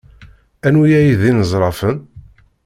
Anwi ay d inezrafen?